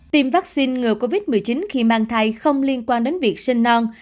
tiêm vắc xin ngừa covid một mươi chín khi mang thai không liên quan đến việc sinh non